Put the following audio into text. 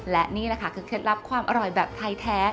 และนี่แหละค่ะคือเคล็ดลับความอร่อยแบบไทยแท้